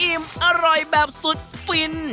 อิ่มอร่อยแบบสุดฟิน